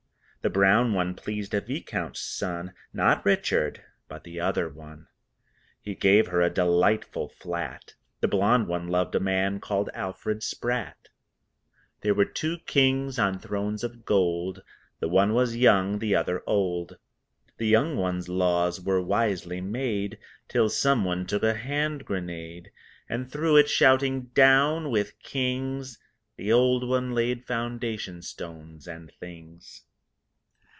The brown one pleased a Viscount's son (Not Richard, but the other one) He gave her a delightful flat The blonde one loved a man called Alfred Spratt. There were two Kings on thrones of gold, The one was young, the other old. The young one's laws were wisely made Till someone took a hand grenade And threw it, shouting, "Down with Kings!" The old one laid foundation stones and things.